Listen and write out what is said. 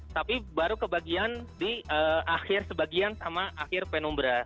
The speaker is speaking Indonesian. tapi baru kebagian di akhir sebagian sama akhir penumbra